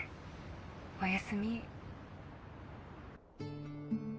おやすみ。